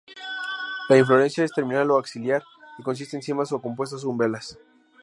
La inflorescencia es terminal o axilar, y consiste en cimas o compuestas umbelas.